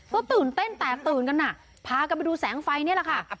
ก็ตื่นเต้นแตกตื่นกันอ่ะพากันไปดูแสงไฟนี่แหละค่ะ